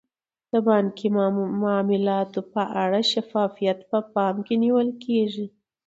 د بانکي معاملاتو په اړه شفافیت په پام کې نیول کیږي.